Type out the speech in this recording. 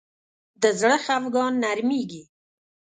د زړه خفګان نرمېږي